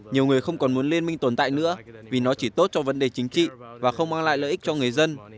nhiều người không còn muốn liên minh tồn tại nữa vì nó chỉ tốt cho vấn đề chính trị và không mang lại lợi ích cho người dân